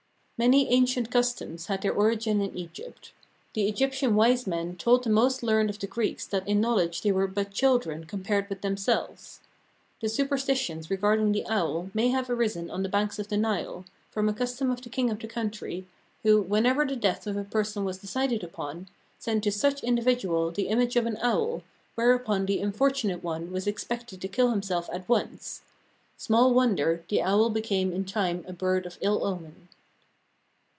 Many ancient customs had their origin in Egypt. The Egyptian wise men told the most learned of the Greeks that in knowledge they were but children compared with themselves. The superstitions regarding the owl may have arisen on the banks of the Nile, from a custom of the king of the country, who, whenever the death of a person was decided upon, sent to such individual the image of an owl, whereupon the unfortunate one was expected to kill himself at once. Small wonder the owl became in time a bird of ill omen.